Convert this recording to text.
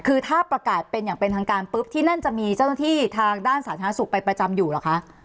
คือถ้าประกาศเป็นอย่างเป็นทางการปุ๊บที่นั่นจะมีเจ้าหน้าที่ทางด้านสาธารณสุขไปประจำอยู่เหรอคะ